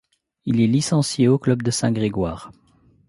Il est licencié au club de Saint-Grégoire.